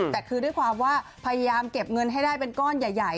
แต่คือด้วยความว่าพยายามเก็บเงินให้ได้เป็นก้อนใหญ่